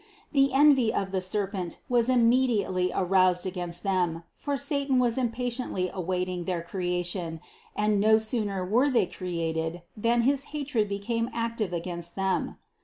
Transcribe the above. The envy of the serpent was immediately aroused against them, for satan was impatiently awaiting their creation, and no sooner were they created, than his hatred became active against them.